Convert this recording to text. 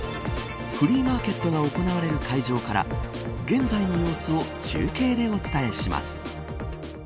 フリーマーケットが行われる会場から現在の様子を中継でお伝えします。